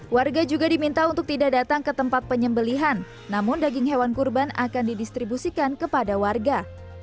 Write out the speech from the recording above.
warga juga diminta untuk tidak datang ke tempat penyembelihan namun daging hewan kurban akan didistribusikan kepada warga